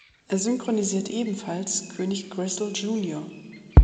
Er synchronisiert ebenfalls König Gristle Jr.